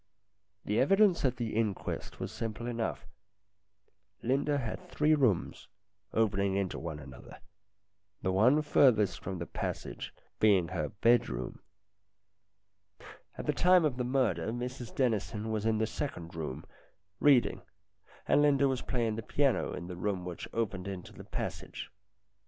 The evidence at the inquest was simple enough. Linda had three rooms, opening into one another, the one furthest from the passage being her bed room. At the time of the murder Mrs Dennison was in the second room, reading, and Linda was playing the piano in the room which opened into the passage.